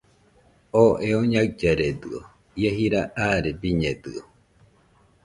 Oo eo ñaɨllaredɨio, ie jira aare biñedɨio